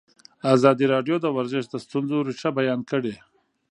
ازادي راډیو د ورزش د ستونزو رېښه بیان کړې.